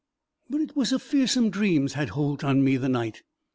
"But it was a fearsome dream's had holt on me the night.